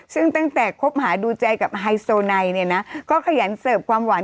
ซึ่งตั้งแต่คบหาดูใจกับไฮโซไนเนี่ยนะก็ขยันเสิร์ฟความหวาน